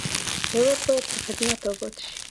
هېواد باید په خدمت اباد شي.